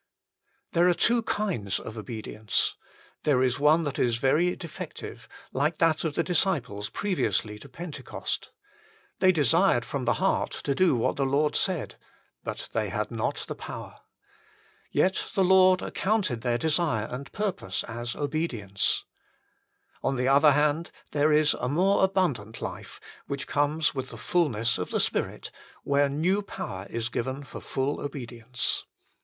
There are two kinds of obedience. There is one that is very defective, like that of the disciples previously to Pentecost. They desired from the heart to do what the Lord said, but 1 John xiv. 15, 16 ; cf. vv. 21, 23. 2 Acts v. 32. 100 THE FULL BLESSING OF PENTECOST they had not the power. Yet the Lord ac counted their desire and purpose as obedience. On the other hand, there is a more abundant life, which comes with the fulness of the Spirit, where new power is given for full obedience.